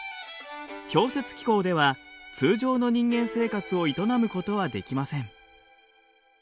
氷雪気候では通常の人間生活を営むことはできません。